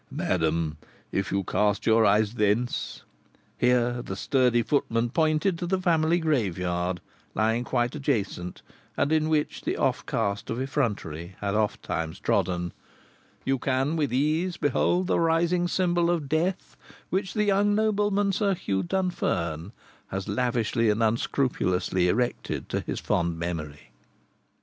"Madam, if you cast your eyes thence [here the sturdy footman pointed to the family graveyard, lying quite adjacent, and in which the offcast of effrontery had oftentimes trodden] you can with ease behold the rising symbol of death which the young nobleman, Sir Hugh Dunfern, has lavishly and unscrupulously erected to his fond memory."